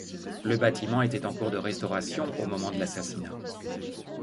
Le bâtiment était en cours de restauration au moment de l'assassinat.